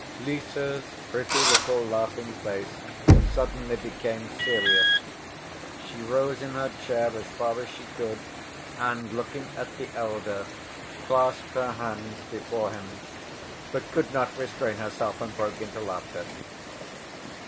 Lise's pretty little laughing face became suddenly serious. She rose in her chair as far as she could and, looking at the elder, clasped her hands before him, but could not restrain herself and broke into laughter.